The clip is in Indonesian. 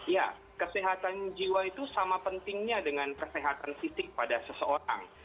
ya kesehatan jiwa itu sama pentingnya dengan kesehatan fisik pada seseorang